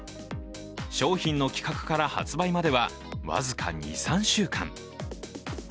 商品の企画から発売までは僅か２３週間。